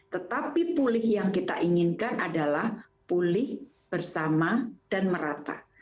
tetapi pulih yang kita inginkan adalah pulih bersama dan merata